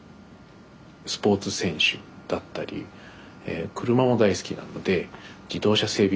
スポーツ選手だったり車も大好きなので自動車整備